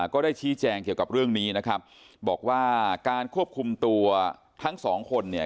ก็ได้ชี้แจงเกี่ยวกับเรื่องนี้นะครับบอกว่าการควบคุมตัวทั้งสองคนเนี่ย